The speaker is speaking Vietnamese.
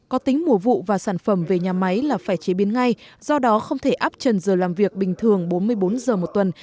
có tính mùa vụ và sản phẩm về nhà máy là phải chế biến ngay do đó không thể áp trần giờ làm việc bình thường bốn mươi bốn giờ một tuần